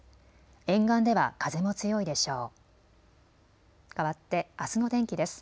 沿岸では風も強いでしょう。